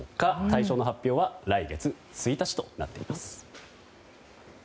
大賞の発表は来月１日となっています。